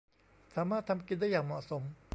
สามารถทำกินได้อย่างเหมาะสม